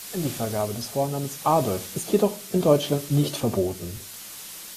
Die Vergabe des Vornamens "Adolf" ist jedoch in Deutschland nicht verboten.